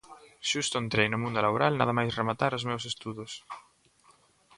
Xusto entrei no mundo laboral nada máis rematar os meus estudos.